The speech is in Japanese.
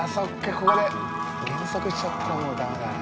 ここで減速しちゃったらもうダメだね。